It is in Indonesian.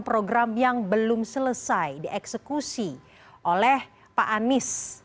program yang belum selesai dieksekusi oleh pak anies